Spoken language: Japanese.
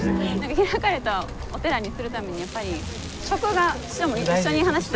開かれたお寺にするためにやっぱり食がしかも一緒に話したいやんか。